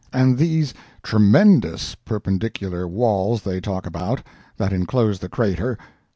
And these 'tremendous' perpendicular walls they talk about, that inclose the crater!